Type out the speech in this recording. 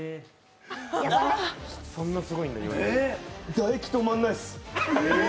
唾液止まんないです。